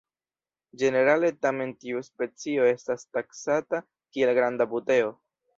Ĝenerale tamen tiu specio estas taksata kiel granda "Buteo".